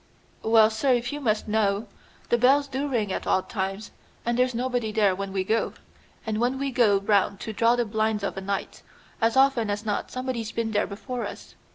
"Well, sir, if you must know, the bells do ring at odd times, and there's nobody there when we go; and when we go round to draw the blinds of a night, as often as not somebody's been there before us.